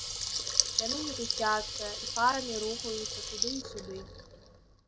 Яны мітусяцца і парамі рухаюцца туды і сюды.